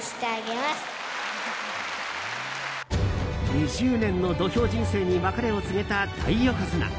２０年の土俵人生に別れを告げた大横綱。